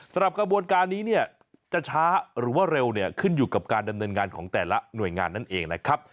สำหรับกระบวนการนี้เนี่ยจะช้าหรือว่าเร็วเนี่ยขึ้นอยู่กับการดำเนินงานของแต่ละหน่วยงานนั่นเองนะครับ